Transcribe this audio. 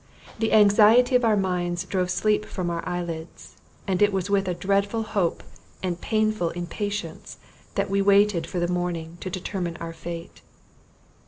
The anxiety of our minds drove sleep from our eyelids; and it was with a dreadful hope and painful impatience that we waited for the morning to determine our fate.